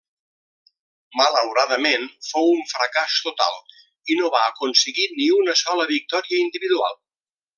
Malauradament fou un fracàs total i no va aconseguir ni una sola victòria individual.